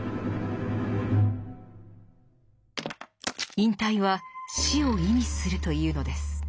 引退は死を意味するというのです。